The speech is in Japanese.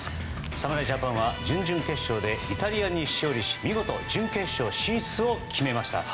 侍ジャパンは準々決勝でイタリアに勝利し見事、準決勝進出を決めました。